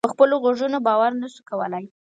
په خپلو غوږونو باور نه شو کولای.